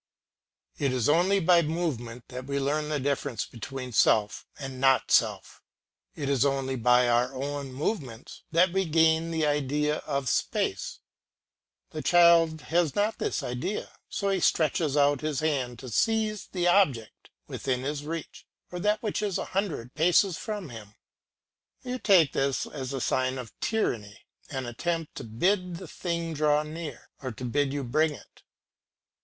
It is only by movement that we learn the difference between self and not self; it is only by our own movements that we gain the idea of space. The child has not this idea, so he stretches out his hand to seize the object within his reach or that which is a hundred paces from him. You take this as a sign of tyranny, an attempt to bid the thing draw near, or to bid you bring it.